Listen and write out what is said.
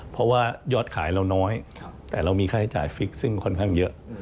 เพราะว่ายอดขายเราน้อยแต่เรามีค่าใช้จ่ายฟิกซึ่งค่อนข้างเยอะ